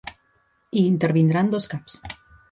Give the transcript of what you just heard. Hi intervindran dos caps.